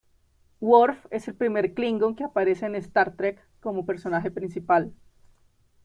Worf es el primer klingon que aparece en Star Trek como personaje principal.